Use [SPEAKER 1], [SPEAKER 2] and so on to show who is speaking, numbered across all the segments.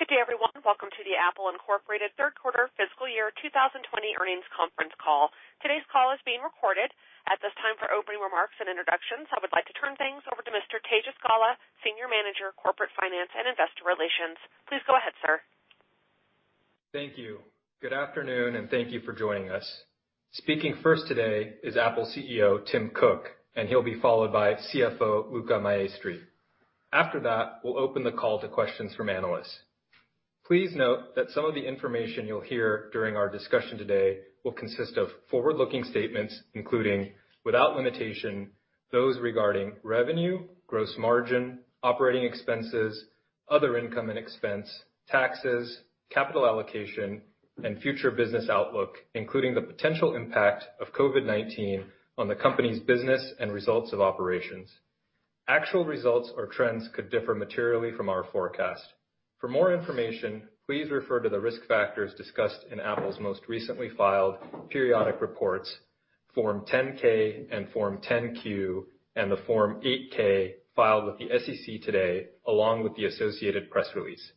[SPEAKER 1] Good day, everyone. Welcome to the Apple Inc. third quarter fiscal year 2020 earnings conference call. Today's call is being recorded. At this time, for opening remarks and introductions, I would like to turn things over to Mr. Tejas Gala, Senior Manager, Corporate Finance and Investor Relations. Please go ahead, sir.
[SPEAKER 2] Thank you. Good afternoon, and thank you for joining us. Speaking first today is Apple CEO Tim Cook, and he'll be followed by CFO Luca Maestri. After that, we'll open the call to questions from analysts. Please note that some of the information you'll hear during our discussion today will consist of forward-looking statements, including, without limitation, those regarding revenue, gross margin, operating expenses, Other Income and Expense, taxes, capital allocation, and future business outlook, including the potential impact of COVID-19 on the company's business and results of operations. Actual results or trends could differ materially from our forecast. For more information, please refer to the risk factors discussed in Apple's most recently filed periodic reports, Form 10-K and Form 10-Q, and the Form 8-K filed with the SEC today, along with the associated press release.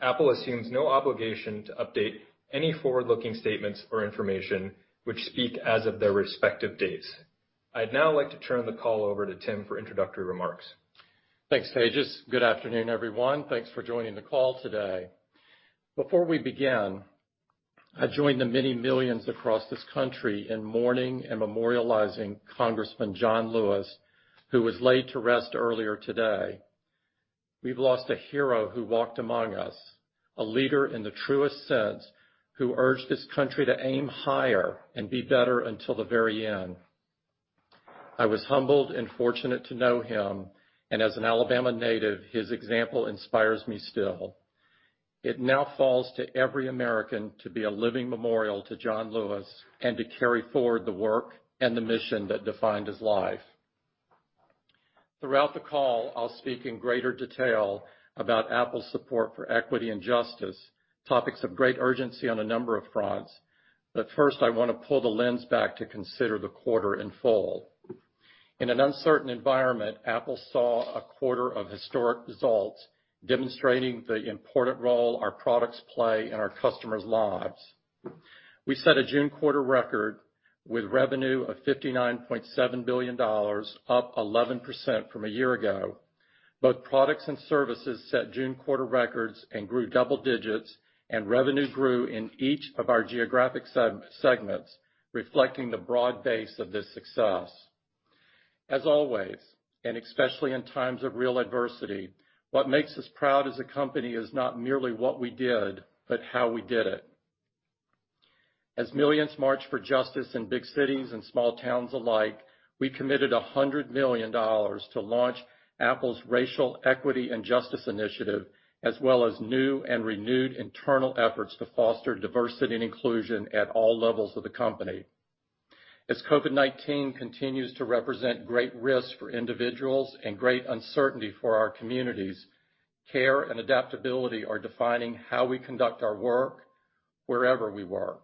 [SPEAKER 2] Apple assumes no obligation to update any forward-looking statements or information which speak as of their respective dates. I'd now like to turn the call over to Tim for introductory remarks.
[SPEAKER 3] Thanks, Tejas. Good afternoon, everyone. Thanks for joining the call today. Before we begin, I join the many millions across this country in mourning and memorializing Congressman John Lewis, who was laid to rest earlier today. We've lost a hero who walked among us, a leader in the truest sense, who urged this country to aim higher and be better until the very end. I was humbled and fortunate to know him, and as an Alabama native, his example inspires me still. It now falls to every American to be a living memorial to John Lewis and to carry forward the work and the mission that defined his life. Throughout the call, I'll speak in greater detail about Apple's support for equity and justice, topics of great urgency on a number of fronts. First, I want to pull the lens back to consider the quarter in full. In an uncertain environment, Apple saw a quarter of historic results demonstrating the important role our products play in our customers' lives. We set a June quarter record with revenue of $59.7 billion, up 11% from a year ago. Both Products and Services set June quarter records and grew double digits, and revenue grew in each of our geographic segments, reflecting the broad base of this success. As always, and especially in times of real adversity, what makes us proud as a company is not merely what we did, but how we did it. As millions march for justice in big cities and small towns alike, we committed $100 million to launch Apple's Racial Equity and Justice Initiative, as well as new and renewed internal efforts to foster diversity and inclusion at all levels of the company. As COVID-19 continues to represent great risk for individuals and great uncertainty for our communities, care and adaptability are defining how we conduct our work wherever we work.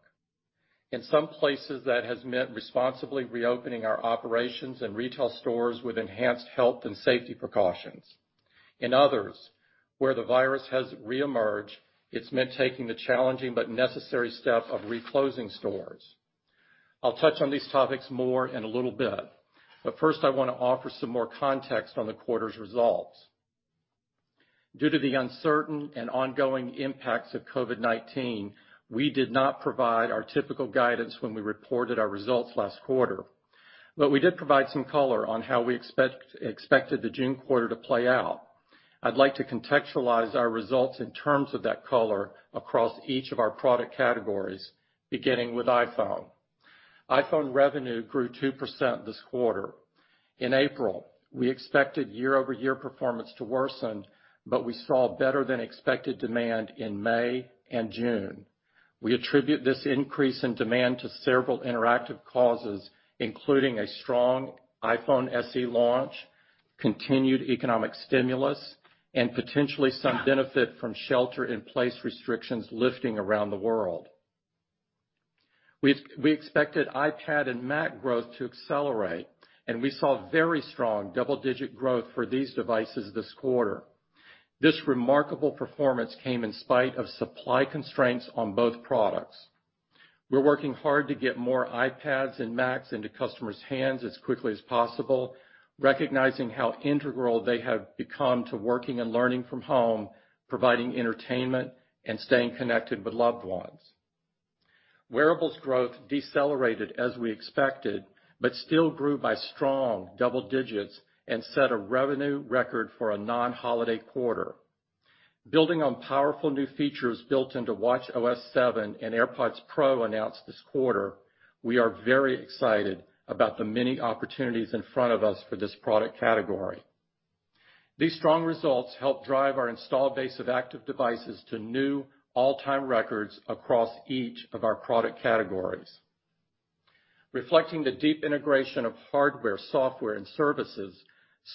[SPEAKER 3] In some places, that has meant responsibly reopening our operations and retail stores with enhanced health and safety precautions. In others, where the virus has reemerged, it's meant taking the challenging but necessary step of re-closing stores. I'll touch on these topics more in a little bit, but first I want to offer some more context on the quarter's results. Due to the uncertain and ongoing impacts of COVID-19, we did not provide our typical guidance when we reported our results last quarter. We did provide some color on how we expected the June quarter to play out. I'd like to contextualize our results in terms of that color across each of our product categories, beginning with iPhone. iPhone revenue grew 2% this quarter. In April, we expected year-over-year performance to worsen, but we saw better than expected demand in May and June. We attribute this increase in demand to several interactive causes, including a strong iPhone SE launch, continued economic stimulus, and potentially some benefit from shelter-in-place restrictions lifting around the world. We expected iPad and Mac growth to accelerate, and we saw very strong double-digit growth for these devices this quarter. This remarkable performance came in spite of supply constraints on both products. We're working hard to get more iPads and Macs into customers' hands as quickly as possible, recognizing how integral they have become to working and learning from home, providing entertainment, and staying connected with loved ones. Wearables growth decelerated as we expected, but still grew by strong double digits and set a revenue record for a non-holiday quarter. Building on powerful new features built into watchOS 7 and AirPods Pro announced this quarter, we are very excited about the many opportunities in front of us for this product category. These strong results help drive our installed base of active devices to new all-time records across each of our product categories, reflecting the deep integration of hardware, software, and services.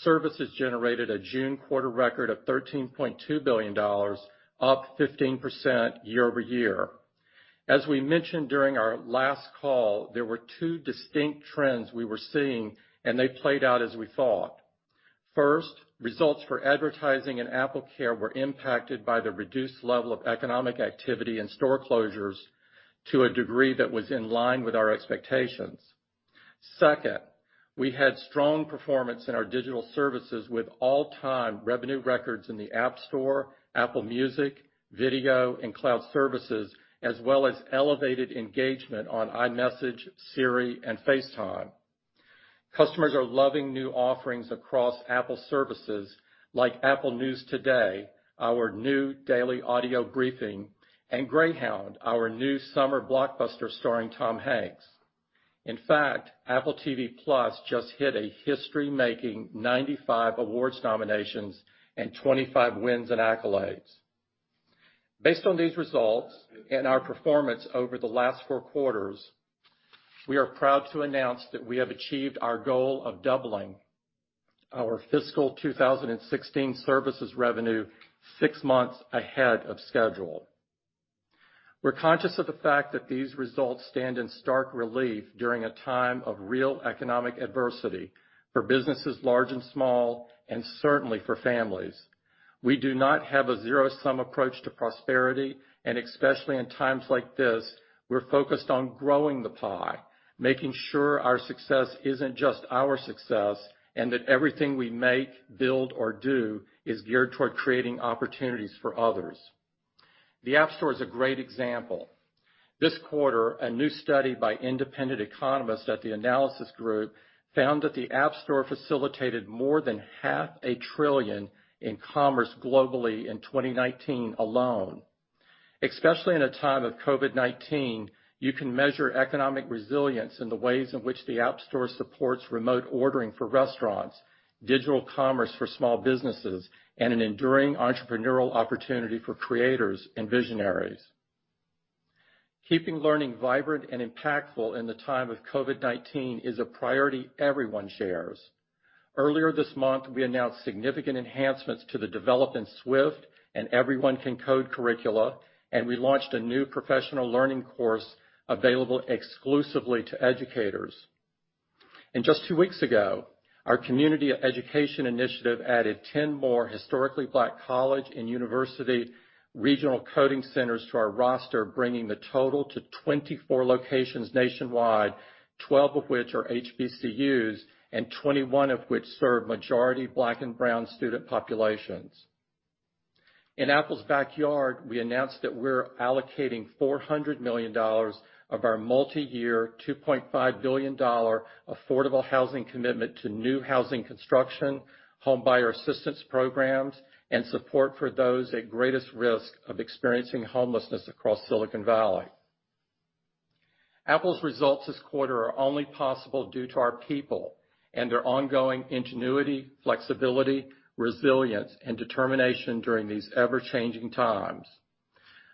[SPEAKER 3] Services generated a June quarter record of $13.2 billion, up 15% year-over-year. As we mentioned during our last call, there were two distinct trends we were seeing, and they played out as we thought. First, results for advertising and AppleCare were impacted by the reduced level of economic activity and store closures to a degree that was in line with our expectations. Second, we had strong performance in our digital services with all-time revenue records in the App Store, Apple Music, video, and cloud services, as well as elevated engagement on iMessage, Siri, and FaceTime. Customers are loving new offerings across Apple services like Apple News Today, our new daily audio briefing, and Greyhound, our new summer blockbuster starring Tom Hanks. In fact, Apple TV+ just hit a history-making 95 awards nominations and 25 wins and accolades. Based on these results and our performance over the last four quarters, we are proud to announce that we have achieved our goal of doubling our fiscal 2016 Services revenue six months ahead of schedule. We're conscious of the fact that these results stand in stark relief during a time of real economic adversity for businesses large and small, and certainly for families. We do not have a zero-sum approach to prosperity, and especially in times like this, we're focused on growing the pie, making sure our success isn't just our success, and that everything we make, build, or do is geared toward creating opportunities for others. The App Store is a great example. This quarter, a new study by independent economists at the Analysis Group found that the App Store facilitated more than half a trillion in commerce globally in 2019 alone. Especially in a time of COVID-19, you can measure economic resilience in the ways in which the App Store supports remote ordering for restaurants, digital commerce for small businesses, and an enduring entrepreneurial opportunity for creators and visionaries. Keeping learning vibrant and impactful in the time of COVID-19 is a priority everyone shares. Earlier this month, we announced significant enhancements to the Develop in Swift and Everyone Can Code curricula. We launched a new professional learning course available exclusively to educators. Just two weeks ago, our Community Education Initiative added 10 more Historically Black College and University regional coding centers to our roster, bringing the total to 24 locations nationwide, 12 of which are HBCUs and 21 of which serve majority black and brown student populations. In Apple's backyard, we announced that we're allocating $400 million of our multi-year $2.5 billion affordable housing commitment to new housing construction, homebuyer assistance programs, and support for those at greatest risk of experiencing homelessness across Silicon Valley. Apple's results this quarter are only possible due to our people and their ongoing ingenuity, flexibility, resilience, and determination during these ever-changing times.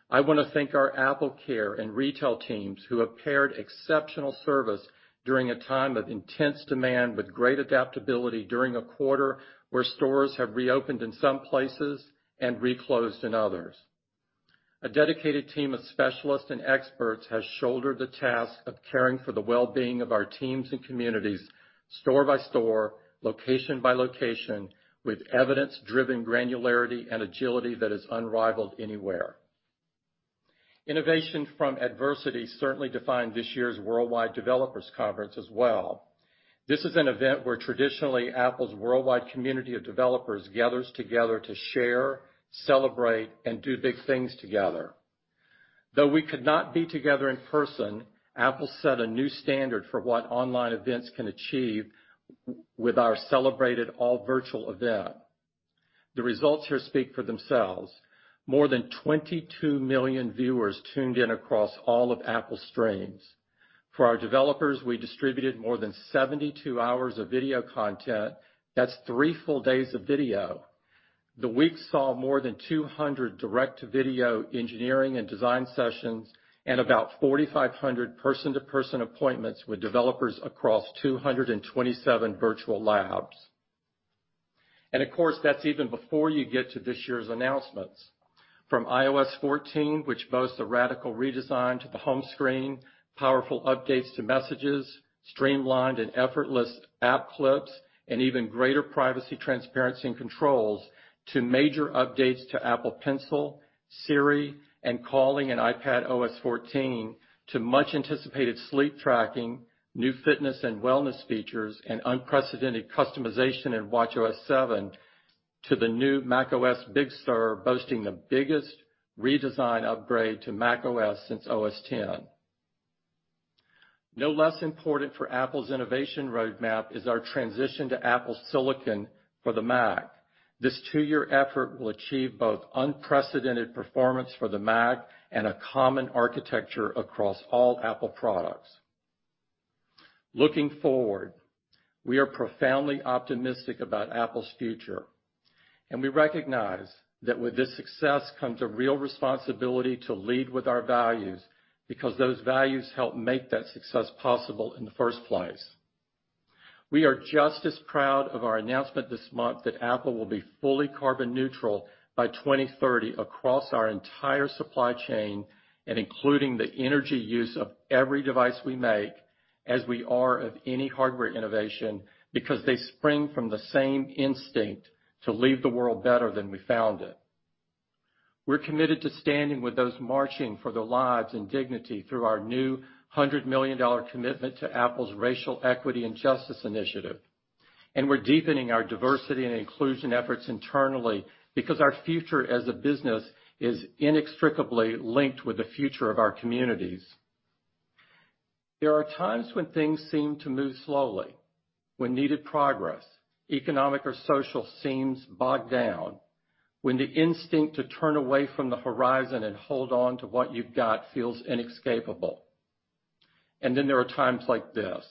[SPEAKER 3] I want to thank our AppleCare and retail teams who have paired exceptional service during a time of intense demand with great adaptability during a quarter where stores have reopened in some places and reclosed in others. A dedicated team of specialists and experts has shouldered the task of caring for the well-being of our teams and communities store by store, location by location with evidence-driven granularity and agility that is unrivaled anywhere. Innovation from adversity certainly defined this year's Worldwide Developers Conference as well. This is an event where traditionally Apple's worldwide community of developers gathers together to share, celebrate, and do big things together. Though we could not be together in person, Apple set a new standard for what online events can achieve with our celebrated all-virtual event. The results here speak for themselves. More than 22 million viewers tuned in across all of Apple's streams. For our developers, we distributed more than 72 hours of video content. That's three full days of video. The week saw more than 200 direct-to-video engineering and design sessions and about 4,500 person-to-person appointments with developers across 227 virtual labs. Of course, that's even before you get to this year's announcements. From iOS 14, which boasts a radical redesign to the home screen, powerful updates to Messages, streamlined and effortless App Clips, and even greater privacy transparency and controls, to major updates to Apple Pencil, Siri, and calling in iPadOS 14, to much anticipated sleep tracking, new fitness and wellness features, and unprecedented customization in watchOS 7, to the new macOS Big Sur boasting the biggest redesign upgrade to macOS since OS X. No less important for Apple's innovation roadmap is our transition to Apple silicon for the Mac. This two-year effort will achieve both unprecedented performance for the Mac and a common architecture across all Apple products. Looking forward, we are profoundly optimistic about Apple's future, and we recognize that with this success comes a real responsibility to lead with our values because those values help make that success possible in the first place. We are just as proud of our announcement this month that Apple will be fully carbon neutral by 2030 across our entire supply chain, and including the energy use of every device we make, as we are of any hardware innovation, because they spring from the same instinct to leave the world better than we found it. We're committed to standing with those marching for their lives and dignity through our new $100 million commitment to Apple's Racial Equity and Justice Initiative. We're deepening our diversity and inclusion efforts internally because our future as a business is inextricably linked with the future of our communities. There are times when things seem to move slowly, when needed progress, economic or social, seems bogged down, when the instinct to turn away from the horizon and hold on to what you've got feels inescapable. There are times like this,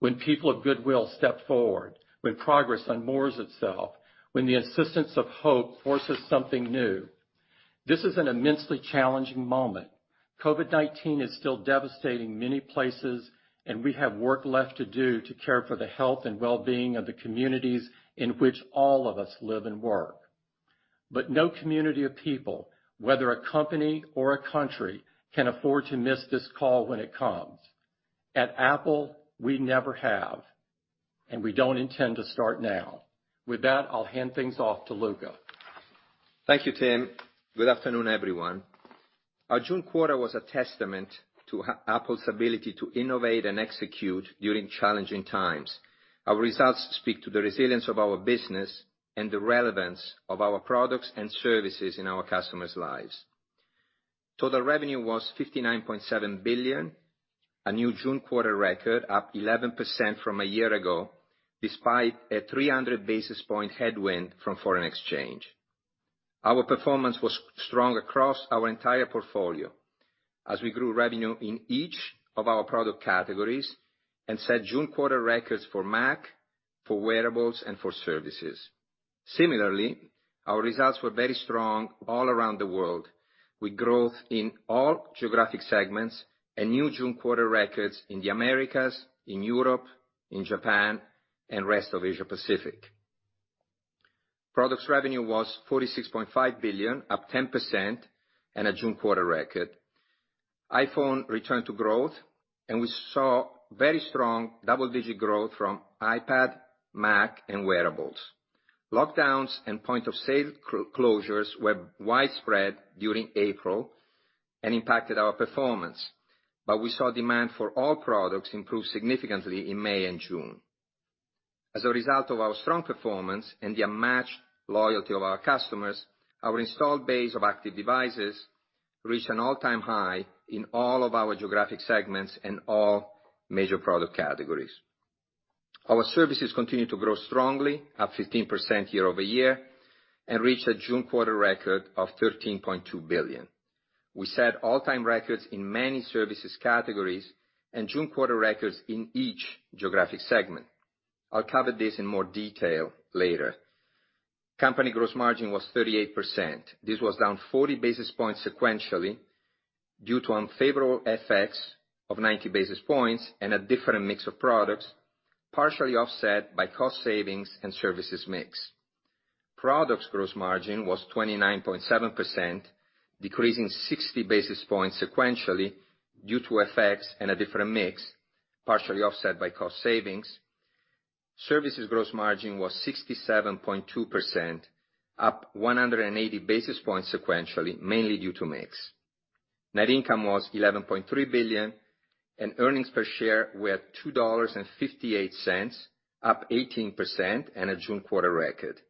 [SPEAKER 3] when people of goodwill step forward, when progress unmoors itself, when the assistance of hope forces something new. This is an immensely challenging moment. COVID-19 is still devastating many places, we have work left to do to care for the health and wellbeing of the communities in which all of us live and work. No community of people, whether a company or a country, can afford to miss this call when it comes. At Apple, we never have, and we don't intend to start now. With that, I'll hand things off to Luca.
[SPEAKER 4] Thank you, Tim. Good afternoon, everyone. Our June quarter was a testament to Apple's ability to innovate and execute during challenging times. Our results speak to the resilience of our business and the relevance of our products and services in our customers' lives. Total revenue was $59.7 billion, a new June quarter record, up 11% from a year ago, despite a 300 basis point headwind from foreign exchange. Our performance was strong across our entire portfolio as we grew revenue in each of our product categories and set June quarter records for Mac, for Wearables, and for Services. Similarly, our results were very strong all around the world, with growth in all geographic segments and new June quarter records in the Americas, in Europe, in Japan, and Rest of Asia-Pacific. Products revenue was $46.5 billion, up 10%, and a June quarter record. iPhone returned to growth, and we saw very strong double-digit growth from iPad, Mac, and Wearables. Lockdowns and point-of-sale closures were widespread during April and impacted our performance. We saw demand for all products improve significantly in May and June. As a result of our strong performance and the unmatched loyalty of our customers, our installed base of active devices reached an all-time high in all of our geographic segments and all major product categories. Our Services continued to grow strongly, up 15% year-over-year, and reached a June quarter record of $13.2 billion. We set all-time records in many services categories and June quarter records in each geographic segment. I'll cover this in more detail later. Company gross margin was 38%. This was down 40 basis points sequentially due to unfavorable FX of 90 basis points and a different mix of products, partially offset by cost savings and services mix. Products gross margin was 29.7%, decreasing 60 basis points sequentially due to FX and a different mix, partially offset by cost savings. Services gross margin was 67.2%, up 180 basis points sequentially, mainly due to mix. Net income was $11.3 billion, and earnings per share were at $2.58, up 18% and a June quarter record.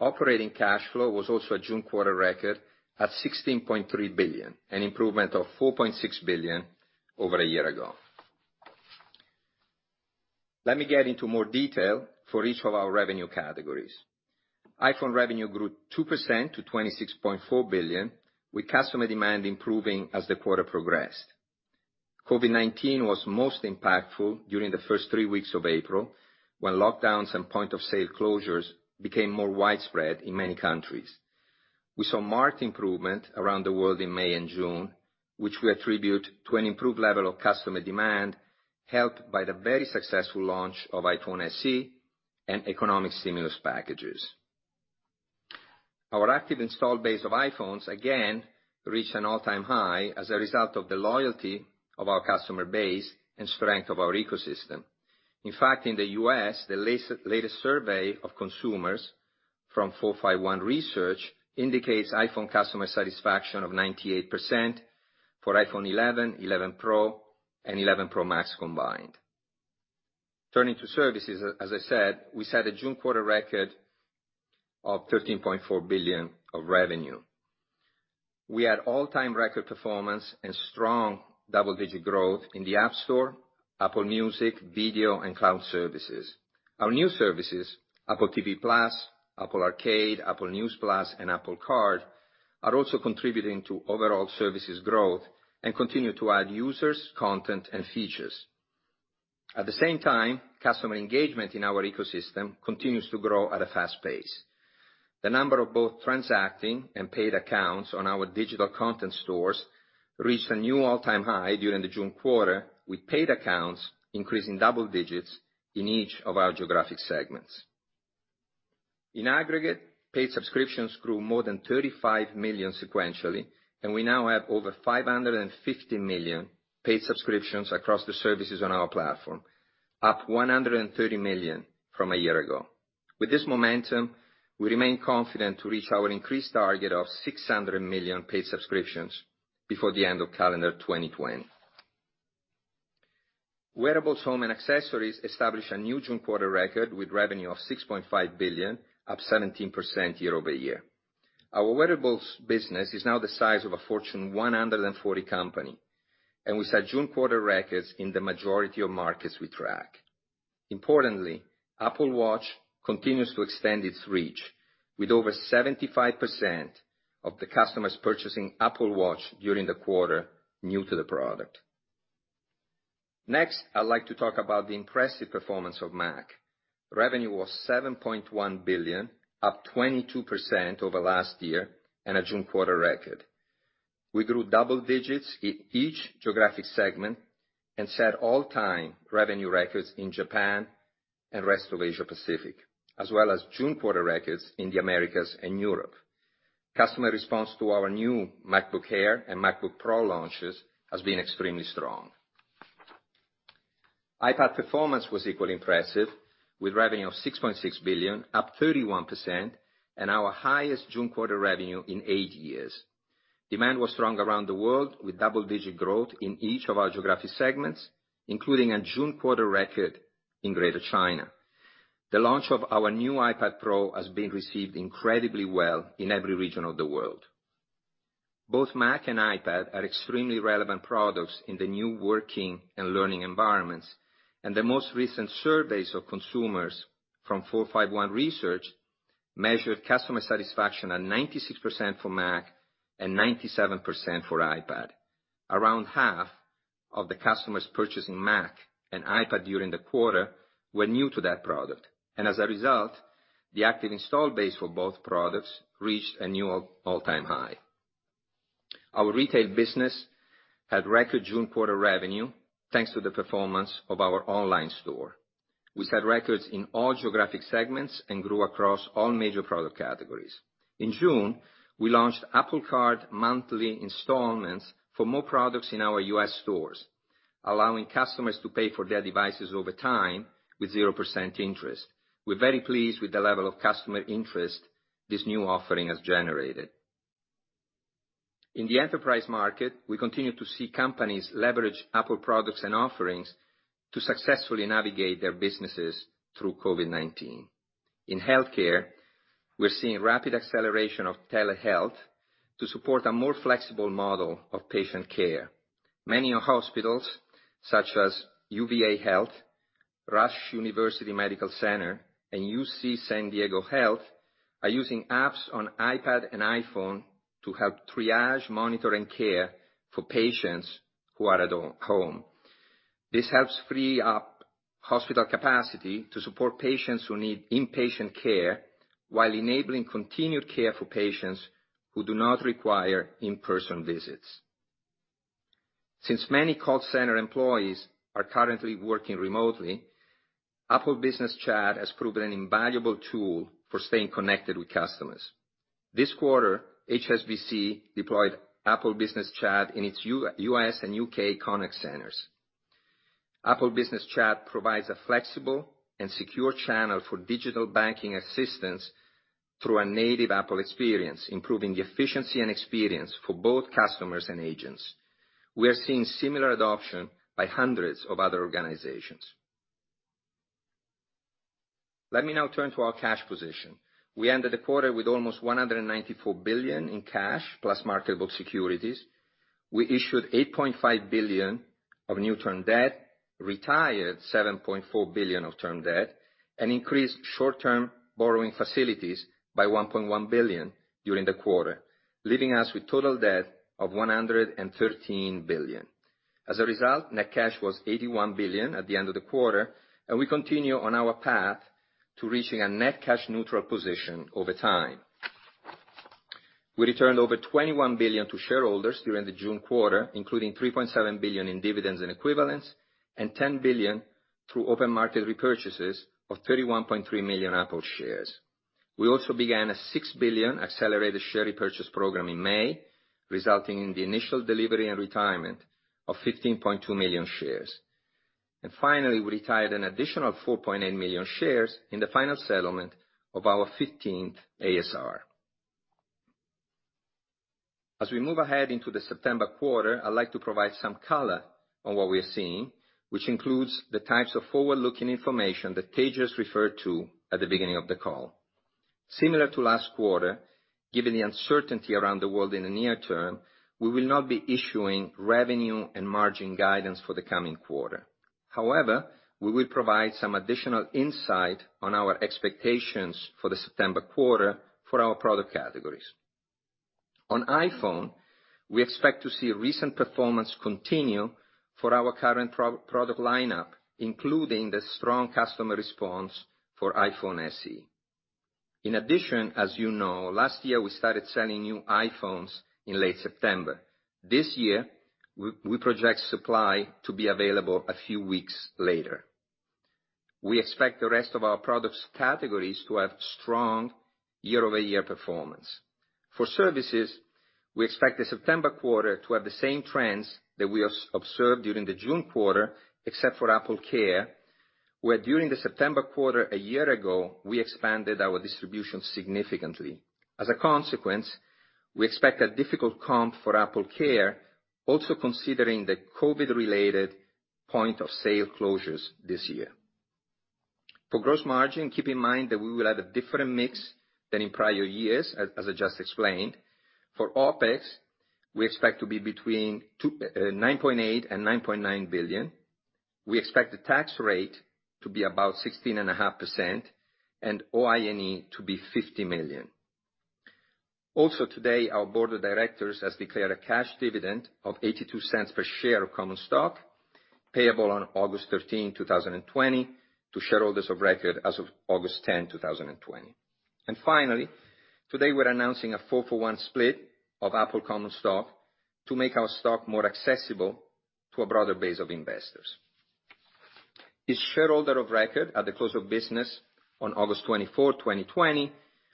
[SPEAKER 4] Operating cash flow was also a June quarter record at $16.3 billion, an improvement of $4.6 billion over a year ago. Let me get into more detail for each of our revenue categories. iPhone revenue grew 2% to $26.4 billion, with customer demand improving as the quarter progressed. COVID-19 was most impactful during the first three weeks of April, when lockdowns and point of sale closures became more widespread in many countries. We saw marked improvement around the world in May and June, which we attribute to an improved level of customer demand, helped by the very successful launch of iPhone SE and economic stimulus packages. Our active installed base of iPhones again reached an all-time high as a result of the loyalty of our customer base and strength of our ecosystem. In fact, in the U.S., the latest survey of consumers from 451 Research indicates iPhone customer satisfaction of 98% for iPhone 11 Pro, and iPhone 11 Pro Max combined. Turning to Services, as I said, we set a June quarter record of $13.2 billion of revenue. We had all-time record performance and strong double-digit growth in the App Store, Apple Music, video, and cloud services. Our new services, Apple TV+, Apple Arcade, Apple News, and Apple Card, are also contributing to overall Services growth and continue to add users, content, and features. At the same time, customer engagement in our ecosystem continues to grow at a fast pace. The number of both transacting and paid accounts on our digital content stores reached a new all-time high during the June quarter, with paid accounts increasing double digits in each of our geographic segments. In aggregate, paid subscriptions grew more than 35 million sequentially, and we now have over 550 million paid subscriptions across the services on our platform, up 130 million from a year ago. With this momentum, we remain confident to reach our increased target of 600 million paid subscriptions before the end of calendar 2020. Wearables, Home and Accessories established a new June quarter record with revenue of $6.5 billion, up 17% year-over-year. Our Wearables business is now the size of a Fortune 140 company, and we set June quarter records in the majority of markets we track. Importantly, Apple Watch continues to extend its reach with over 75% of the customers purchasing Apple Watch during the quarter, new to the product. Next, I'd like to talk about the impressive performance of Mac. Revenue was $7.1 billion, up 22% over last year and a June quarter record. We grew double digits in each geographic segment and set all-time revenue records in Japan and Rest of Asia Pacific, as well as June quarter records in the Americas and Europe. Customer response to our new MacBook Air and MacBook Pro launches has been extremely strong. iPad performance was equally impressive with revenue of $6.6 billion, up 31%, and our highest June quarter revenue in eight years. Demand was strong around the world with double-digit growth in each of our geographic segments, including a June quarter record in Greater China. The launch of our new iPad Pro has been received incredibly well in every region of the world. Both Mac and iPad are extremely relevant products in the new working and learning environments, and the most recent surveys of consumers from 451 Research measured customer satisfaction at 96% for Mac and 97% for iPad. Around half of the customers purchasing Mac and iPad during the quarter were new to that product, and as a result, the active installed base for both products reached a new all-time high. Our retail business had record June quarter revenue, thanks to the performance of our online store. We set records in all geographic segments and grew across all major product categories. In June, we launched Apple Card Monthly Installments for more products in our U.S. stores, allowing customers to pay for their devices over time with 0% interest. We're very pleased with the level of customer interest this new offering has generated. In the enterprise market, we continue to see companies leverage Apple products and offerings to successfully navigate their businesses through COVID-19. In healthcare, we're seeing rapid acceleration of telehealth to support a more flexible model of patient care. Many hospitals, such as UVA Health, Rush University Medical Center, and UC San Diego Health, are using apps on iPad and iPhone to help triage, monitor, and care for patients who are at home. This helps free up hospital capacity to support patients who need inpatient care while enabling continued care for patients who do not require in-person visits. Since many call center employees are currently working remotely, Apple Business Chat has proven an invaluable tool for staying connected with customers. This quarter, HSBC deployed Apple Business Chat in its U.S. and U.K. contact centers. Apple Business Chat provides a flexible and secure channel for digital banking assistance through a native Apple experience, improving efficiency and experience for both customers and agents. We are seeing similar adoption by hundreds of other organizations. Let me now turn to our cash position. We ended the quarter with almost $194 billion in cash plus marketable securities. We issued $8.5 billion of new term debt, retired $7.4 billion of term debt, and increased short-term borrowing facilities by $1.1 billion during the quarter, leaving us with total debt of $113 billion. As a result, net cash was $81 billion at the end of the quarter, and we continue on our path to reaching a net cash neutral position over time. We returned over $21 billion to shareholders during the June quarter, including $3.7 billion in dividends and equivalents, and $10 billion through open market repurchases of 31.3 million Apple shares. We also began a $6 billion accelerated share repurchase program in May, resulting in the initial delivery and retirement of 15.2 million shares. Finally, we retired an additional 4.8 million shares in the final settlement of our 15th ASR. As we move ahead into the September quarter, I'd like to provide some color on what we're seeing, which includes the types of forward-looking information that Tejas has referred to at the beginning of the call. Similar to last quarter, given the uncertainty around the world in the near term, we will not be issuing revenue and margin guidance for the coming quarter. However, we will provide some additional insight on our expectations for the September quarter for our product categories. On iPhone, we expect to see recent performance continue for our current product lineup, including the strong customer response for iPhone SE. In addition, as you know, last year, we started selling new iPhones in late September. This year, we project supply to be available a few weeks later. We expect the rest of our products categories to have strong year-over-year performance. For Services, we expect the September quarter to have the same trends that we observed during the June quarter, except for AppleCare, where during the September quarter a year ago, we expanded our distribution significantly. As a consequence, we expect a difficult comp for AppleCare, also considering the COVID-related point-of-sale closures this year. For gross margin, keep in mind that we will have a different mix than in prior years, as I just explained. For OpEx, we expect to be between $9.8 billion and $9.9 billion. We expect the tax rate to be about 16.5% and OI&E to be $50 million. Also today, our board of directors has declared a cash dividend of $0.82 per share of common stock payable on August 13, 2020, to shareholders of record as of August 10, 2020. Today, we're announcing a 4:1 split of Apple common stock to make our stock more accessible to a broader base of investors. Each shareholder of record at the close of business on August 24, 2020,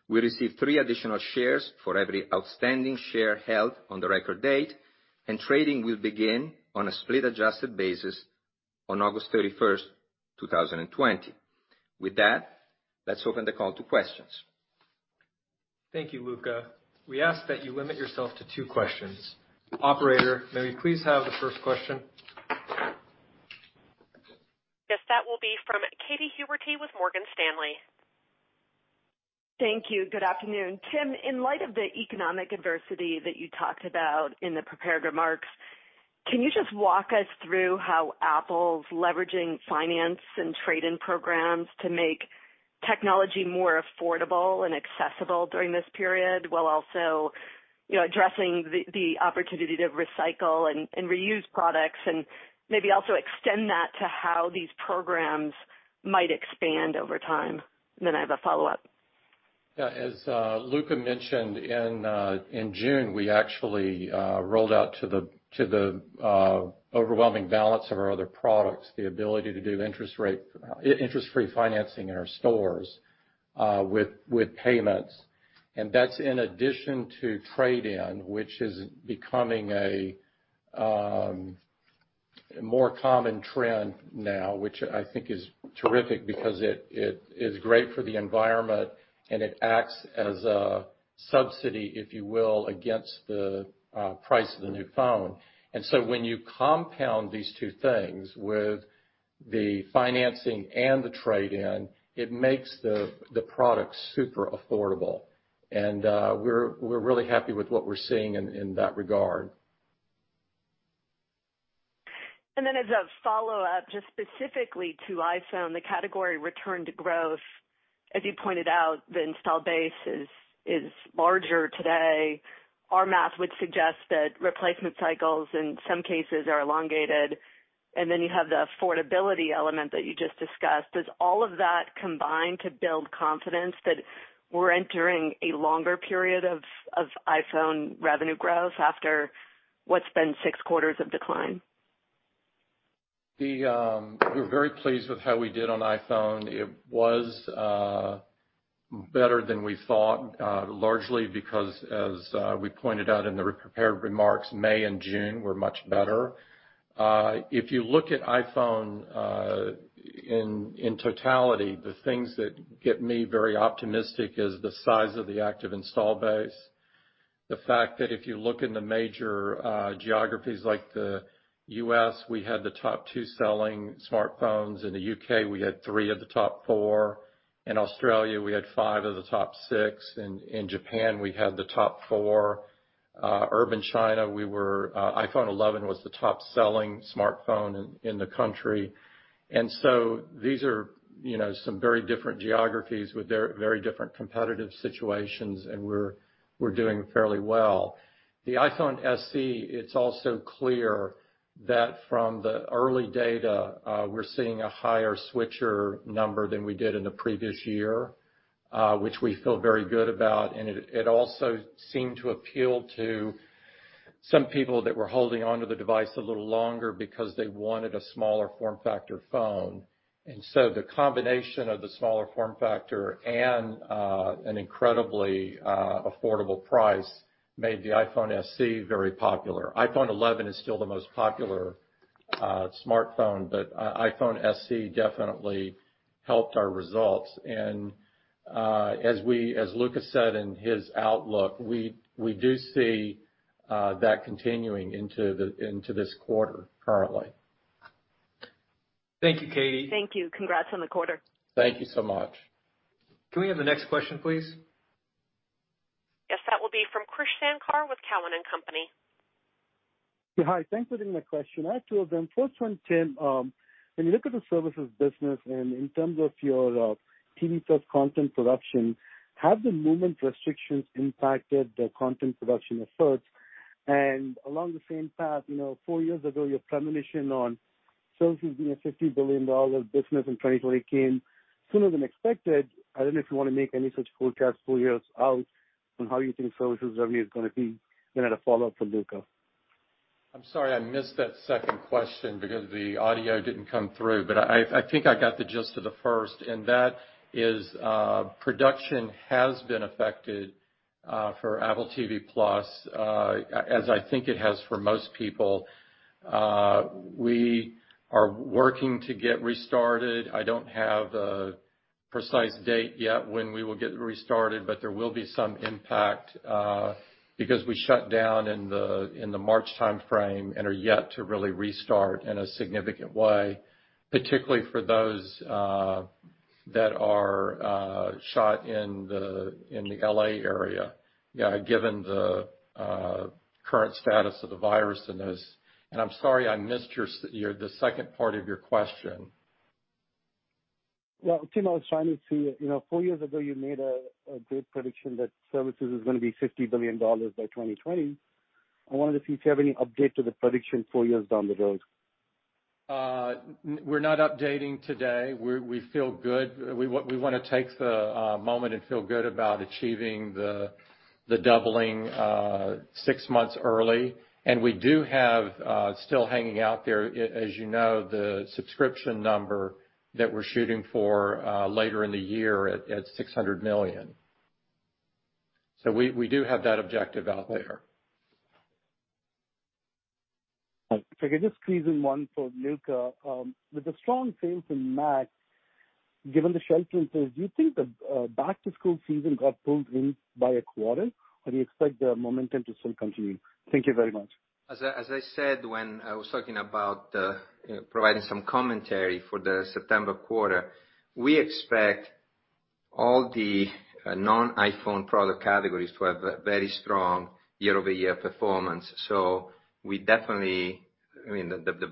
[SPEAKER 4] will receive three additional shares for every outstanding share held on the record date. Trading will begin on a split-adjusted basis on August 31st, 2020. With that, let's open the call to questions.
[SPEAKER 2] Thank you, Luca. We ask that you limit yourself to two questions. Operator, may we please have the first question?
[SPEAKER 1] Yes, that will be from Katy Huberty with Morgan Stanley.
[SPEAKER 5] Thank you. Good afternoon. Tim, in light of the economic adversity that you talked about in the prepared remarks, can you just walk us through how Apple's leveraging finance and trade-in programs to make technology more affordable and accessible during this period, while also addressing the opportunity to recycle and reuse products? Maybe also extend that to how these programs might expand over time. I have a follow-up.
[SPEAKER 3] Yeah. As Luca mentioned, in June, we actually rolled out to the overwhelming balance of our other products, the ability to do interest-free financing in our stores with payments. That's in addition to trade-in, which is becoming a more common trend now, which I think is terrific because it is great for the environment, and it acts as a subsidy, if you will, against the price of the new phone. When you compound these two things with the financing and the trade-in, it makes the product super affordable. We're really happy with what we're seeing in that regard.
[SPEAKER 5] As a follow-up, just specifically to iPhone, the category return to growth. As you pointed out, the installed base is larger today. Our math would suggest that replacement cycles, in some cases, are elongated, and then you have the affordability element that you just discussed. Does all of that combine to build confidence that we're entering a longer period of iPhone revenue growth after what's been six quarters of decline?
[SPEAKER 3] We're very pleased with how we did on iPhone. It was better than we thought, largely because, as we pointed out in the prepared remarks, May and June were much better. If you look at iPhone in totality, the things that get me very optimistic is the size of the active installed base. The fact that if you look in the major geographies like the U.S., we had the top two selling smartphones. In the U.K., we had three of the top four. In Australia, we had five of the top six. In Japan, we had the top four. Urban China, iPhone 11 was the top-selling smartphone in the country. These are some very different geographies with very different competitive situations, and we're doing fairly well. The iPhone SE, it's also clear that from the early data, we're seeing a higher switcher number than we did in the previous year, which we feel very good about. It also seemed to appeal to some people that were holding onto the device a little longer because they wanted a smaller form factor phone. The combination of the smaller form factor and an incredibly affordable price made the iPhone SE very popular. iPhone 11 is still the most popular smartphone, but iPhone SE definitely helped our results. As Luca said in his outlook, we do see that continuing into this quarter currently.
[SPEAKER 2] Thank you, Katy.
[SPEAKER 5] Thank you. Congrats on the quarter.
[SPEAKER 3] Thank you so much.
[SPEAKER 2] Can we have the next question, please?
[SPEAKER 1] Yes, that will be from Krish Sankar with Cowen and Company.
[SPEAKER 6] Hi. Thanks for taking my question. I have two of them. First one, Tim, when you look at the Services business and in terms of your TV+ content production, have the movement restrictions impacted the content production efforts? Along the same path, four years ago, your premonition on Services being a $50 billion business in 2020 came sooner than expected. I don't know if you want to make any such forecasts four years out on how you think Services revenue is going to be. Then I had a follow-up for Luca.
[SPEAKER 3] I'm sorry I missed that second question because the audio didn't come through, but I think I got the gist of the first, and that is production has been affected for Apple TV+, as I think it has for most people. We are working to get restarted. I don't have a precise date yet when we will get restarted, but there will be some impact because we shut down in the March timeframe and are yet to really restart in a significant way, particularly for those that are shot in the L.A. area, given the current status of the virus. I'm sorry I missed the second part of your question.
[SPEAKER 6] Well, Tim, four years ago, you made a great prediction that Services is going to be $50 billion by 2020. I wanted to see if you have any update to the prediction four years down the road.
[SPEAKER 3] We're not updating today. We want to take the moment and feel good about achieving the doubling six months early. We do have still hanging out there, as you know, the subscription number that we're shooting for later in the year at 600 million. We do have that objective out there.
[SPEAKER 6] If I could just squeeze in one for Luca. With the strong sales in Mac, given the shelter in place, do you think the back-to-school season got pulled in by a quarter, or do you expect the momentum to still continue? Thank you very much.
[SPEAKER 4] As I said when I was talking about providing some commentary for the September quarter, we expect all the non-iPhone product categories to have a very strong year-over-year performance. The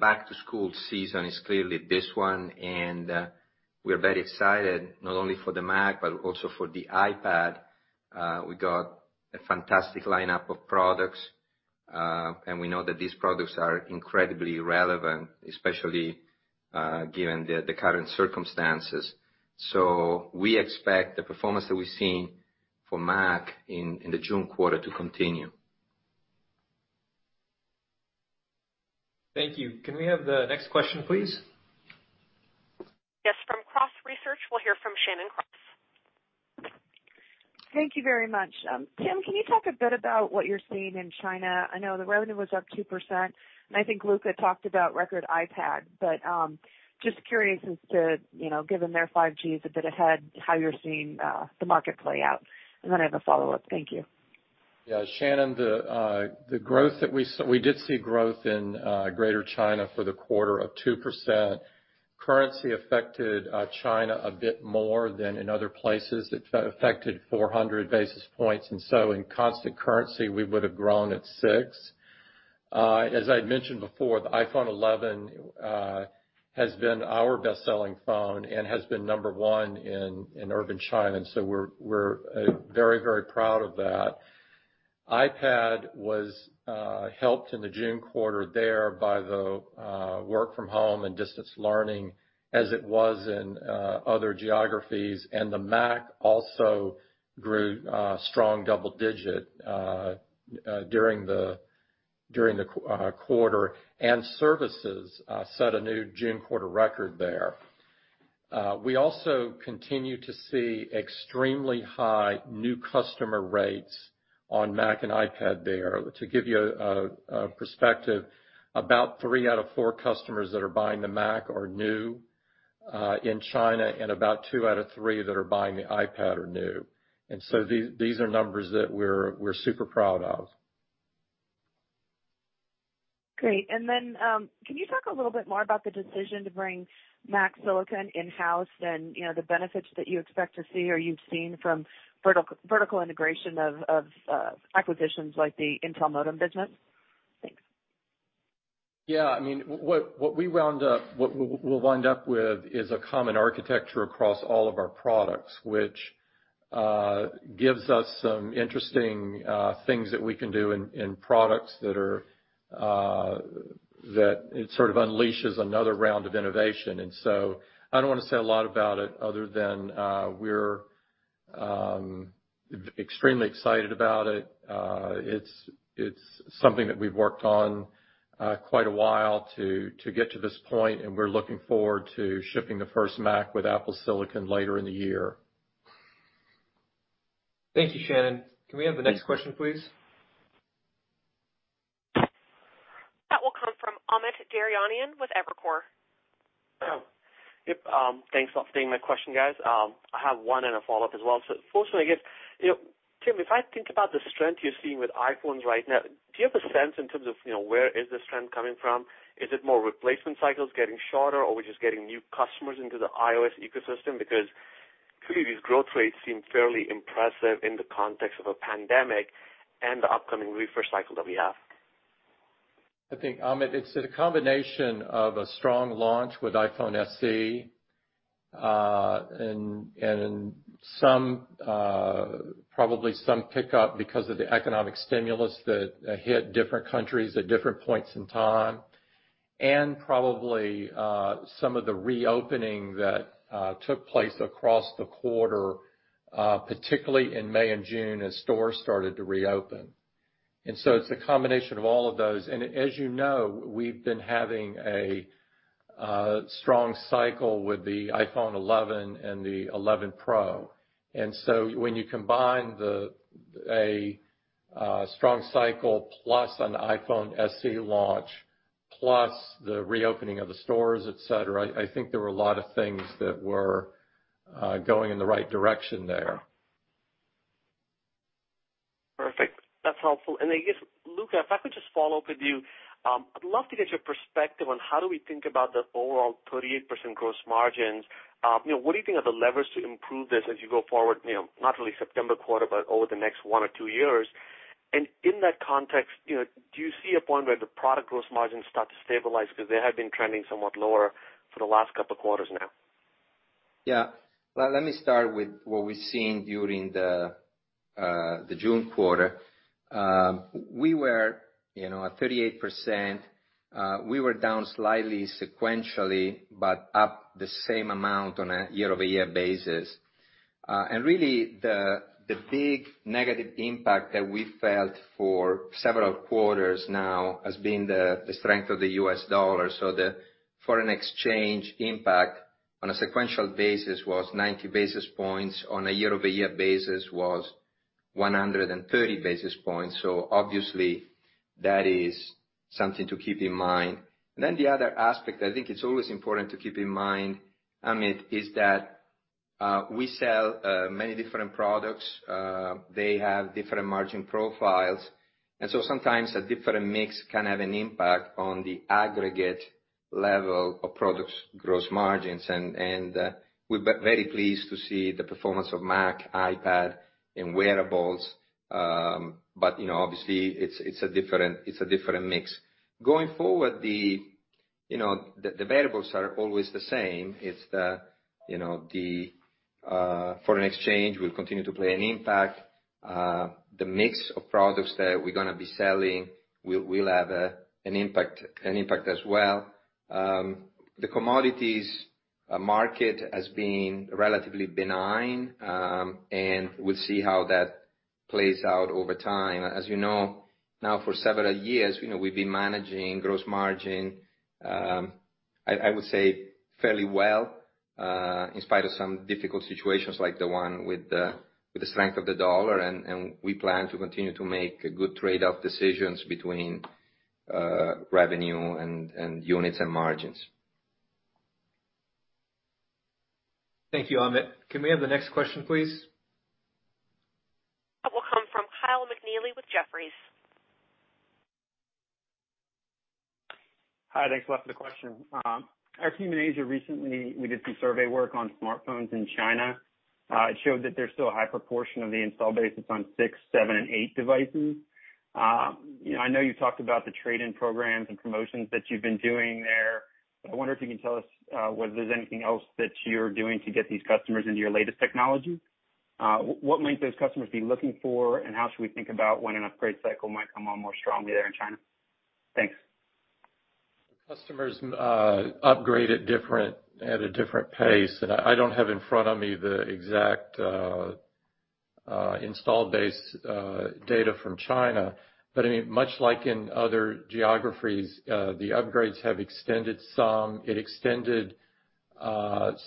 [SPEAKER 4] back-to-school season is clearly this one, and we're very excited not only for the Mac, but also for the iPad. We got a fantastic lineup of products, and we know that these products are incredibly relevant, especially given the current circumstances. We expect the performance that we've seen for Mac in the June quarter to continue.
[SPEAKER 2] Thank you. Can we have the next question, please?
[SPEAKER 1] Yes, from Cross Research, we'll hear from Shannon Cross.
[SPEAKER 7] Thank you very much. Tim, can you talk a bit about what you're seeing in China? I know the revenue was up 2%. I think Luca talked about record iPad. Just curious as to, given their 5G is a bit ahead, how you're seeing the market play out. I have a follow-up. Thank you.
[SPEAKER 3] Yeah, Shannon, we did see growth in Greater China for the quarter of 2%. Currency affected China a bit more than in other places. It affected 400 basis points, and so in constant currency, we would have grown at 6%. As I'd mentioned before, the iPhone 11 has been our best-selling phone and has been number one in urban China, and so we're very, very proud of that. iPad was helped in the June quarter there by the work from home and distance learning as it was in other geographies, and the Mac also grew a strong double digit during the quarter, and Services set a new June quarter record there. We also continue to see extremely high new customer rates on Mac and iPad there. To give you a perspective, about three out of four customers that are buying the Mac are new in China, and about two out of three that are buying the iPad are new. These are numbers that we're super proud of.
[SPEAKER 7] Great. Can you talk a little bit more about the decision to bring Mac silicon in-house and the benefits that you expect to see or you've seen from vertical integration of acquisitions like the Intel modem business? Thanks.
[SPEAKER 3] Yeah. What we'll wind up with is a common architecture across all of our products, which gives us some interesting things that we can do in products that it sort of unleashes another round of innovation. So I don't want to say a lot about it other than we're extremely excited about it. It's something that we've worked on quite a while to get to this point, and we're looking forward to shipping the first Mac with Apple silicon later in the year.
[SPEAKER 2] Thank you, Shannon. Can we have the next question, please?
[SPEAKER 1] That will come from Amit Daryanani with Evercore.
[SPEAKER 8] Yep. Thanks for taking my question, guys. I have one and a follow-up as well. First one, I guess, Tim, if I think about the strength you're seeing with iPhones right now, do you have a sense in terms of where is this trend coming from? Is it more replacement cycles getting shorter, or we're just getting new customers into the iOS ecosystem? Clearly, these growth rates seem fairly impressive in the context of a pandemic and the upcoming refresh cycle that we have.
[SPEAKER 3] I think, Amit, it's a combination of a strong launch with iPhone SE, and probably some pickup because of the economic stimulus that hit different countries at different points in time, and probably some of the reopening that took place across the quarter, particularly in May and June, as stores started to reopen. It's a combination of all of those. As you know, we've been having a strong cycle with the iPhone 11 and the iPhone 11 Pro. When you combine a strong cycle plus an iPhone SE launch, plus the reopening of the stores, et cetera, I think there were a lot of things that were going in the right direction there.
[SPEAKER 8] Perfect. That's helpful. I guess, Luca, if I could just follow up with you. I'd love to get your perspective on how do we think about the overall 38% gross margins. What do you think are the levers to improve this as you go forward, not really September quarter, but over the next one or two years? In that context, do you see a point where the product gross margins start to stabilize? Because they have been trending somewhat lower for the last couple of quarters now.
[SPEAKER 4] Yeah. Let me start with what we're seeing during the June quarter. We were at 38%. We were down slightly sequentially but up the same amount on a year-over-year basis. Really, the big negative impact that we felt for several quarters now has been the strength of the U.S. dollar. The foreign exchange impact on a sequential basis was 90 basis points. On a year-over-year basis was 130 basis points. Obviously, that is something to keep in mind. The other aspect, I think it's always important to keep in mind, Amit, is that we sell many different products. They have different margin profiles, sometimes a different mix can have an impact on the aggregate level of products' gross margins. We're very pleased to see the performance of Mac, iPad, and Wearables. Obviously, it's a different mix. Going forward, the variables are always the same. It's the foreign exchange will continue to play an impact. The mix of products that we're going to be selling will have an impact as well. The commodities market has been relatively benign, and we'll see how that plays out over time. As you know, now for several years, we've been managing gross margin, I would say, fairly well, in spite of some difficult situations like the one with the strength of the dollar. We plan to continue to make good trade-off decisions between revenue and units and margins.
[SPEAKER 2] Thank you, Amit. Can we have the next question, please?
[SPEAKER 1] That will come from Kyle McNealy with Jefferies.
[SPEAKER 9] Hi, thanks a lot for the question. Our team in Asia recently, we did some survey work on smartphones in China. It showed that there's still a high proportion of the installed base that's on iPhone 6, iPhone 7, and iPhone 8 devices. I know you talked about the trade-in programs and promotions that you've been doing there, but I wonder if you can tell us whether there's anything else that you're doing to get these customers into your latest technology. What might those customers be looking for, and how should we think about when an upgrade cycle might come on more strongly there in China? Thanks.
[SPEAKER 3] Customers upgrade at a different pace. I don't have in front of me the exact installed base data from China. Much like in other geographies, the upgrades have extended some. It extended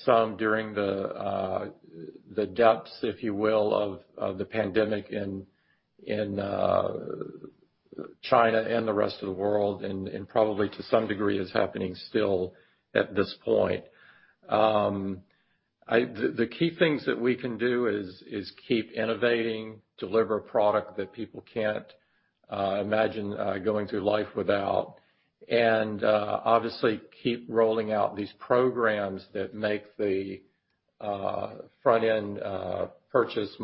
[SPEAKER 3] some during the depths, if you will, of the pandemic in China and the rest of the world, and probably to some degree is happening still at this point. The key things that we can do is keep innovating, deliver a product that people can't imagine going through life without, and obviously, keep rolling out these programs that make the front-end purchase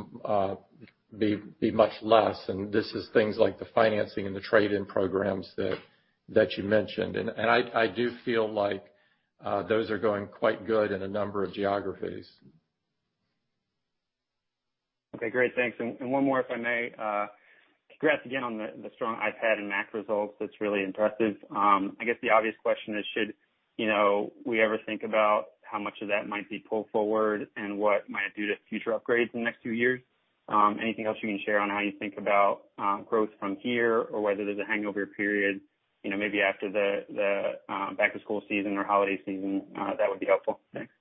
[SPEAKER 3] be much less. This is things like the financing and the trade-in programs that you mentioned. I do feel like those are going quite good in a number of geographies.
[SPEAKER 9] Okay, great. Thanks. One more, if I may. Congrats again on the strong iPad and Mac results. That's really impressive. I guess the obvious question is, should we ever think about how much of that might be pulled forward and what it might do to future upgrades in the next few years? Anything else you can share on how you think about growth from here, or whether there's a hangover period, maybe after the back-to-school season or holiday season? That would be helpful. Thanks.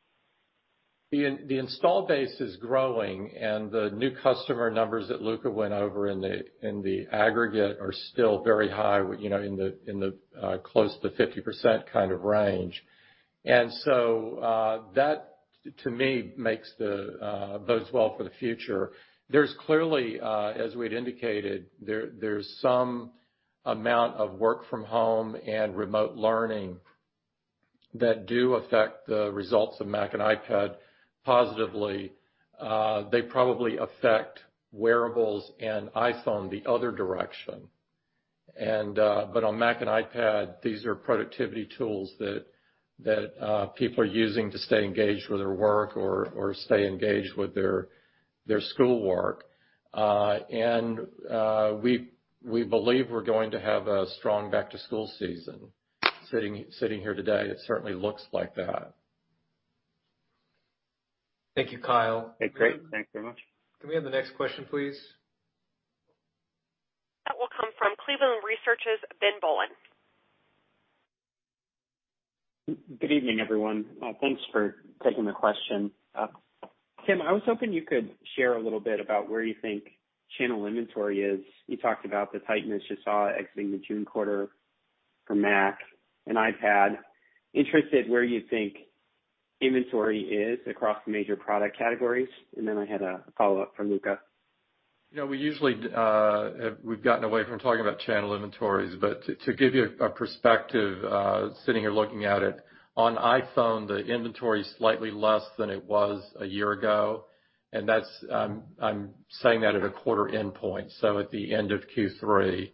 [SPEAKER 3] The installed base is growing, and the new customer numbers that Luca went over in the aggregate are still very high, in the close to 50% kind of range. That, to me, bodes well for the future. There's clearly, as we had indicated, there's some amount of work from home and remote learning that do affect the results of Mac and iPad positively. They probably affect Wearables and iPhone the other direction. On Mac and iPad, these are productivity tools that people are using to stay engaged with their work or stay engaged with their schoolwork. We believe we're going to have a strong back-to-school season. Sitting here today, it certainly looks like that.
[SPEAKER 2] Thank you, Kyle.
[SPEAKER 9] Hey, great. Thanks very much.
[SPEAKER 2] Can we have the next question, please?
[SPEAKER 1] That will come from Cleveland Research's Ben Bollin.
[SPEAKER 10] Good evening, everyone. Thanks for taking the question. Tim, I was hoping you could share a little bit about where you think channel inventory is. You talked about the tightness you saw exiting the June quarter for Mac and iPad. Interested where you think inventory is across the major product categories, and then I had a follow-up for Luca.
[SPEAKER 3] We've gotten away from talking about channel inventories, to give you a perspective, sitting here looking at it, on iPhone, the inventory is slightly less than it was a year ago, and I'm saying that at a quarter endpoint, so at the end of Q3.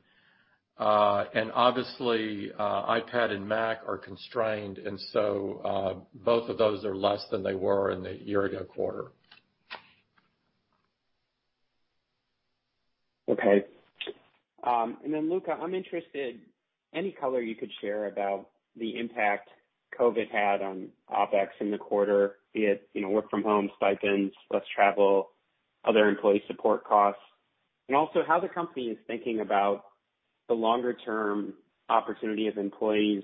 [SPEAKER 3] Obviously, iPad and Mac are constrained, both of those are less than they were in the year-ago quarter.
[SPEAKER 10] Okay. Then Luca, I'm interested, any color you could share about the impact COVID had on OpEx in the quarter, be it work-from-home stipends, less travel, other employee support costs. Also how the company is thinking about the longer-term opportunity of employees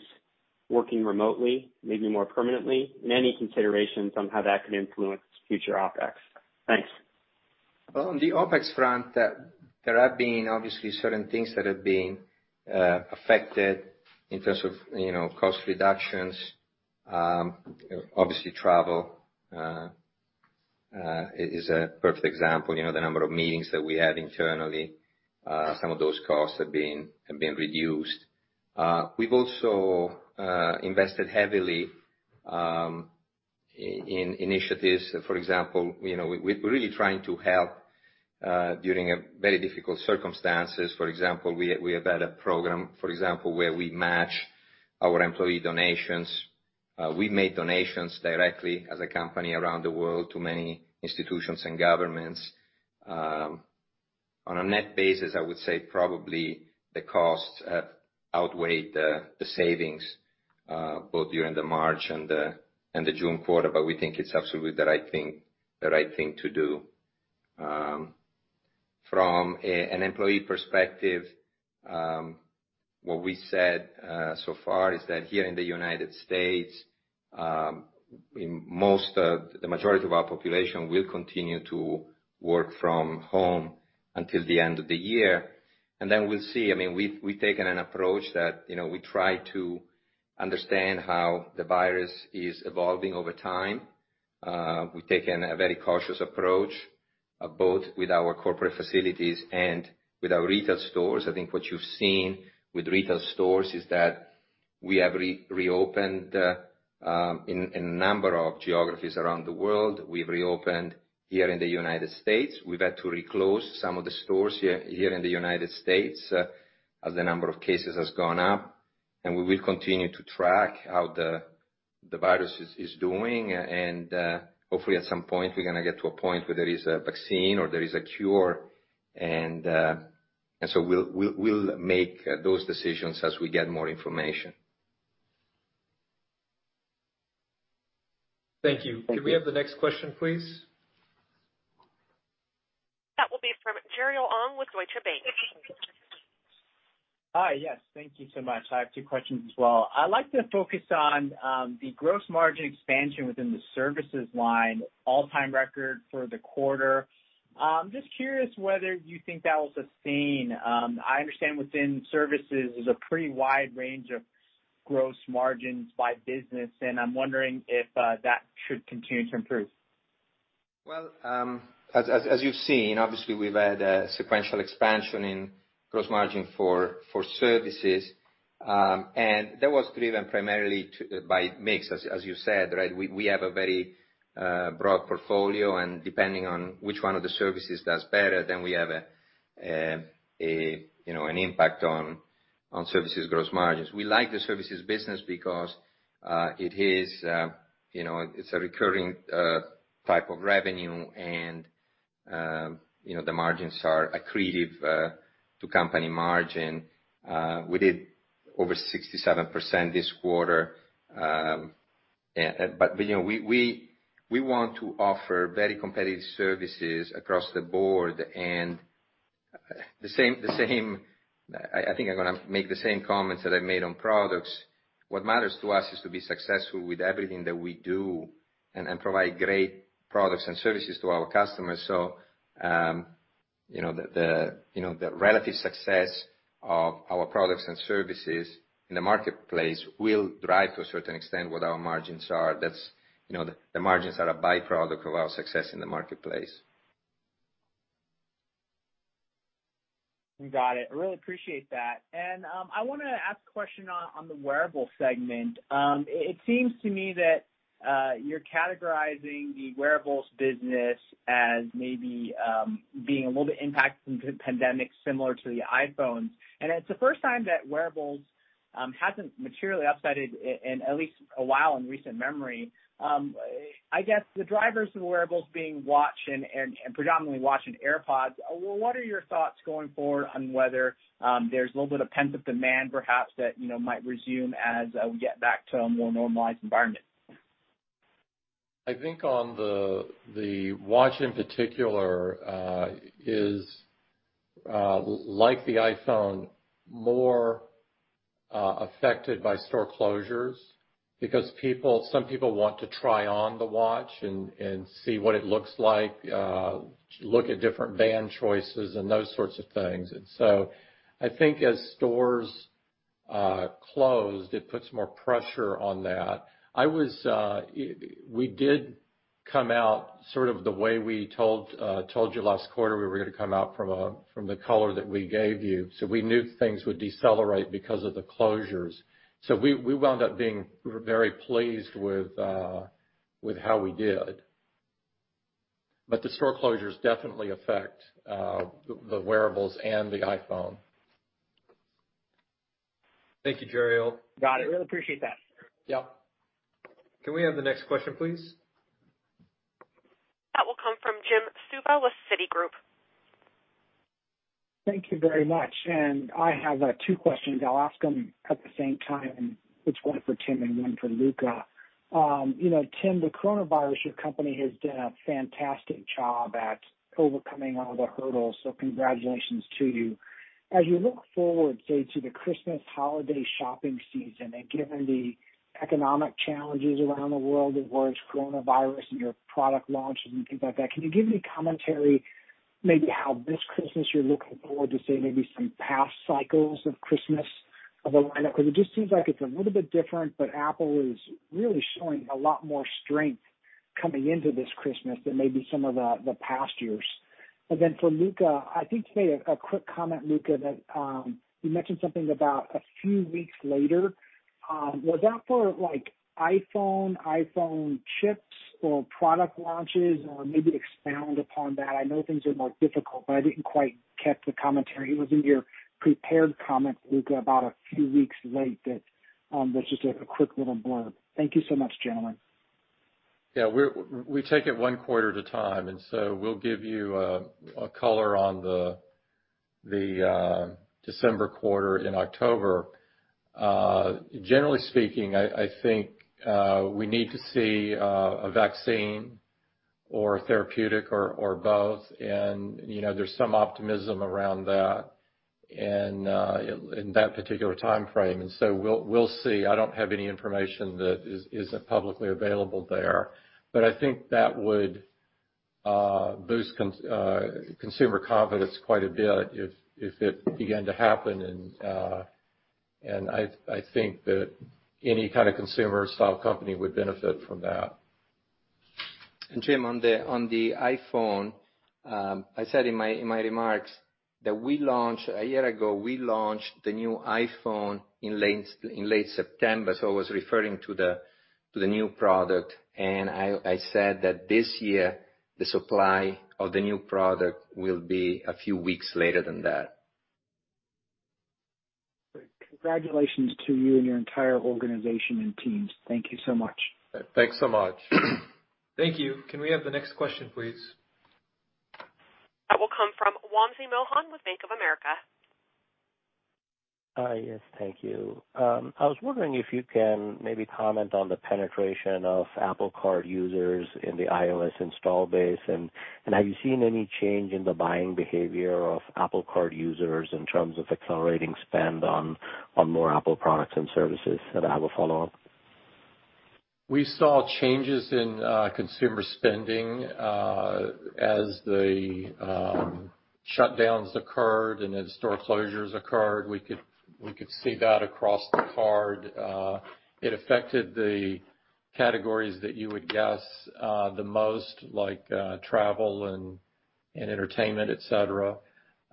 [SPEAKER 10] working remotely, maybe more permanently, and any considerations on how that could influence future OpEx. Thanks.
[SPEAKER 4] Well, on the OpEx front, there have been obviously certain things that have been affected in terms of cost reductions. Obviously, travel is a perfect example. The number of meetings that we had internally, some of those costs have been reduced. We've also invested heavily in initiatives. For example, we're really trying to help during very difficult circumstances. For example, we have had a program, for example, where we match our employee donations. We've made donations directly as a company around the world to many institutions and governments. On a net basis, I would say probably the costs outweigh the savings, both during the March and the June quarter. We think it's absolutely the right thing to do. From an employee perspective, what we said so far is that here in the United States, the majority of our population will continue to work from home until the end of the year. We'll see. We've taken an approach that we try to understand how the virus is evolving over time. We've taken a very cautious approach, both with our corporate facilities and with our retail stores. I think what you've seen with retail stores is that we have reopened in a number of geographies around the world. We've reopened here in the United States. We've had to reclose some of the stores here in the United States as the number of cases has gone up, and we will continue to track how the virus is doing. Hopefully, at some point, we're going to get to a point where there is a vaccine or there is a cure. We'll make those decisions as we get more information.
[SPEAKER 2] Thank you.
[SPEAKER 10] Thank you.
[SPEAKER 2] Could we have the next question, please?
[SPEAKER 1] That will be from Jeriel Ong with Deutsche Bank.
[SPEAKER 11] Hi. Yes. Thank you so much. I have two questions as well. I'd like to focus on the gross margin expansion within the Services line, all-time record for the quarter. I'm just curious whether you think that was a theme. I understand within Services is a pretty wide range of gross margins by business, and I'm wondering if that should continue to improve.
[SPEAKER 4] Well, as you've seen, obviously, we've had a sequential expansion in gross margin for Services. That was driven primarily by mix, as you said, right? We have a very broad portfolio. Depending on which one of the Services does better, we have an impact on Services gross margins. We like the Services business because it's a recurring type of revenue. The margins are accretive to company margin. We did over 67% this quarter. We want to offer very competitive services across the board. I think I'm going to make the same comments that I made on products. What matters to us is to be successful with everything that we do and provide great products and services to our customers. The relative success of our products and services in the marketplace will drive, to a certain extent, what our margins are. The margins are a byproduct of our success in the marketplace.
[SPEAKER 11] Got it. I really appreciate that. I want to ask a question on the Wearable segment. It seems to me that you're categorizing the Wearables business as maybe being a little bit impacted from the pandemic, similar to the iPhone. It's the first time that Wearables hasn't materially up-sided in at least a while in recent memory. I guess the drivers of Wearables being Watch and predominantly Watch and AirPods, what are your thoughts going forward on whether there's a little bit of pent-up demand, perhaps, that might resume as we get back to a more normalized environment?
[SPEAKER 3] I think on the Watch in particular, is, like the iPhone, more affected by store closures because some people want to try on the Watch and see what it looks like, look at different band choices and those sorts of things. I think as stores closed, it puts more pressure on that. We did come out sort of the way we told you last quarter we were going to come out from the color that we gave you. We knew things would decelerate because of the closures. We wound up being very pleased with how we did. The store closures definitely affect the Wearables and the iPhone.
[SPEAKER 2] Thank you, Jeriel.
[SPEAKER 11] Got it. Really appreciate that.
[SPEAKER 3] Yep.
[SPEAKER 2] Can we have the next question, please?
[SPEAKER 1] That will come from Jim Suva with Citigroup.
[SPEAKER 12] Thank you very much. I have two questions. I'll ask them at the same time. It's one for Tim and one for Luca. Tim, the coronavirus, your company has done a fantastic job at overcoming all the hurdles, so congratulations to you. As you look forward, say, to the Christmas holiday shopping season, given the economic challenges around the world as well as coronavirus and your product launches and things like that, can you give me commentary, maybe how this Christmas you're looking forward to, say, maybe some past cycles of Christmas of a lineup? It just seems like it's a little bit different, Apple is really showing a lot more strength coming into this Christmas than maybe some of the past years. For Luca, I think you made a quick comment, Luca, that you mentioned something about a few weeks later. Was that for iPhone chips or product launches? Maybe expound upon that. I know things are more difficult, but I didn't quite catch the commentary. It was in your prepared comments, Luca, about a few weeks late, that's just a quick little blurb. Thank you so much, gentlemen.
[SPEAKER 3] Yeah, we take it one quarter at a time. We'll give you a color on the December quarter in October. Generally speaking, I think we need to see a vaccine or therapeutic or both. There's some optimism around that in that particular timeframe. We'll see. I don't have any information that isn't publicly available there. I think that would boost consumer confidence quite a bit if it began to happen. I think that any kind of consumer-style company would benefit from that.
[SPEAKER 4] Jim, on the iPhone, I said in my remarks that a year ago, we launched the new iPhone in late September. I was referring to the new product, and I said that this year, the supply of the new product will be a few weeks later than that.
[SPEAKER 12] Great. Congratulations to you and your entire organization and teams. Thank you so much.
[SPEAKER 3] Thanks so much.
[SPEAKER 2] Thank you. Can we have the next question, please?
[SPEAKER 1] That will come from Wamsi Mohan with Bank of America.
[SPEAKER 13] Yes. Thank you. I was wondering if you can maybe comment on the penetration of Apple Card users in the iOS installed base? Have you seen any change in the buying behavior of Apple Card users in terms of accelerating spend on more Apple products and services? I have a follow-on.
[SPEAKER 3] We saw changes in consumer spending as the shutdowns occurred, and as store closures occurred, we could see that across the card. It affected the categories that you would guess the most, like travel and entertainment, et cetera.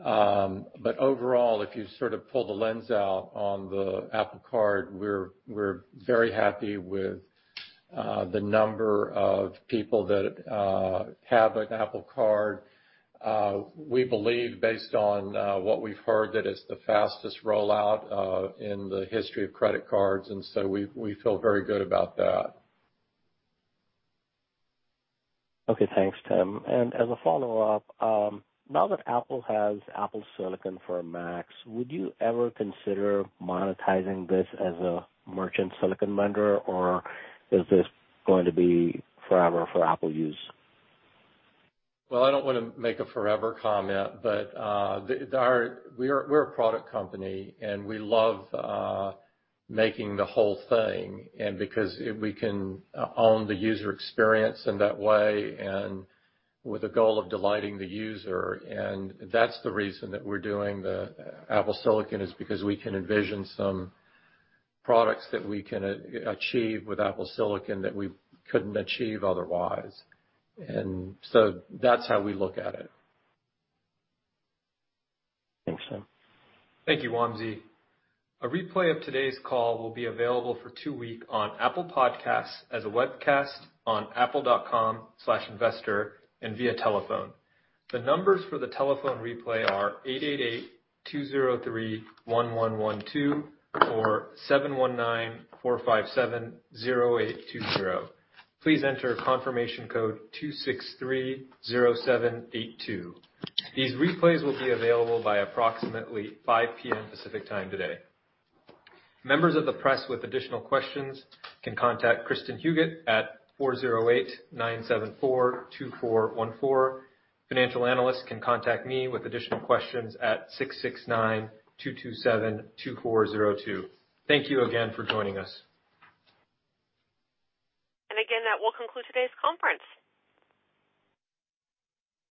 [SPEAKER 3] Overall, if you sort of pull the lens out on the Apple Card, we're very happy with the number of people that have an Apple Card. We believe, based on what we've heard, that it's the fastest rollout in the history of credit cards, we feel very good about that.
[SPEAKER 13] Okay. Thanks, Tim. As a follow-up, now that Apple has Apple silicon for Macs, would you ever consider monetizing this as a merchant silicon vendor, or is this going to be forever for Apple use?
[SPEAKER 3] Well, I don't want to make a forever comment, but we're a product company, and we love making the whole thing, and because we can own the user experience in that way and with the goal of delighting the user. That's the reason that we're doing the Apple silicon is because we can envision some products that we can achieve with Apple silicon that we couldn't achieve otherwise. That's how we look at it.
[SPEAKER 13] Thanks, Tim.
[SPEAKER 2] Thank you, Wamsi. A replay of today's call will be available for two week on Apple Podcasts as a webcast on apple.com/investor and via telephone. The numbers for the telephone replay are 888-203-1112 or 719-457-0820. Please enter confirmation code 2630782. These replays will be available by approximately 5:00 P.M. Pacific Time today. Members of the press with additional questions can contact Kristin Huguet at 408-974-2414. Financial analysts can contact me with additional questions at 669-227-2402. Thank you again for joining us.
[SPEAKER 1] Again, that will conclude today's conference.